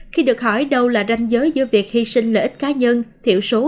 khi được hỏi đâu là ranh giới giữa việc hy sinh lợi ích cá nhân thiểu số